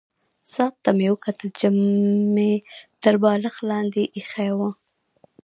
ساعت ته مې وکتل چې مې تر بالښت لاندې ایښی وو.